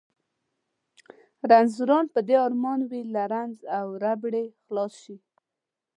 رنځوران په دې ارمان وي له رنځ او ربړې خلاص شي.